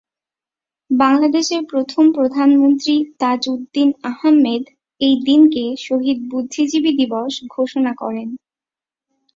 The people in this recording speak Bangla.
বাংলাদেশের প্রথম প্রধানমন্ত্রী তাজউদ্দিন আহমেদ এই দিনকে ‘শহীদ বুদ্ধিজীবী দিবস’ ঘোষণা করেন।